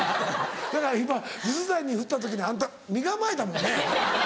だから今水谷にふった時にあんた身構えたもんね。